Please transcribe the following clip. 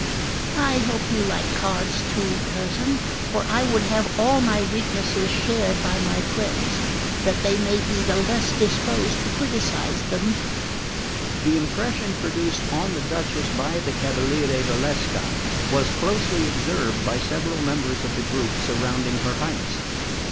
I hope you like cards too, cousin, for I would have all my weaknesses shared by my friends, that they may be the less disposed to criticise them." The impression produced on the Duchess by the cavaliere Valsecca was closely observed by several members of the group surrounding her Highness.